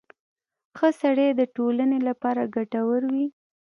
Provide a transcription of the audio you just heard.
• ښه سړی د ټولنې لپاره ګټور وي.